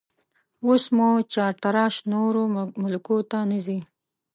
اوس مو چارتراش نورو ملکو ته نه ځي